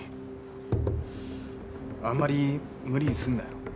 あんまり無理すんなよ。